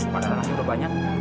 masalahnya udah banyak